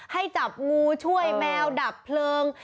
ให้จับงูช่วยแมวดับเพลิง